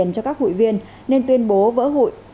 cho các hụi viên nên tuyên bố vỡ hụi